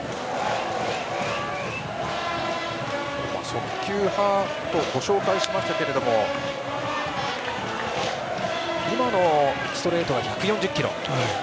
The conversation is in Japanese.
速球派とご紹介しましたけども今のストレートは１４０キロ。